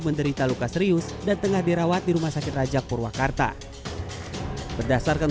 menderita luka serius dan tengah dirawat di rumah sakit rajak purwakarta berdasarkan